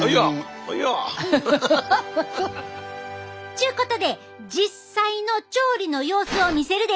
ちゅうことで実際の調理の様子を見せるで！